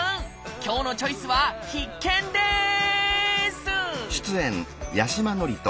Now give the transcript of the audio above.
今日の「チョイス」は必見です！